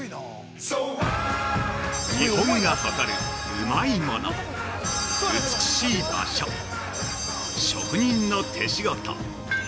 ◆日本が誇る、うまいもの美しい場所職人の手仕事。